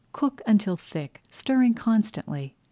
Cook until thick, stirring constantly.